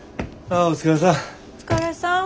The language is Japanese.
ああお疲れさん。